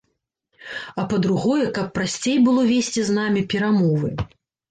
А па-другое, каб прасцей было весці з намі перамовы.